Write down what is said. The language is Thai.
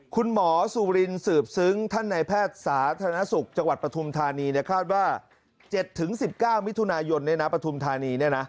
คุณหมอสุรินสืบซึ้งท่านนายแพทย์สาธารณสุขจังหวัดปฐุมธานีคาดว่า๗๑๙มิถุนายนปฐุมธานี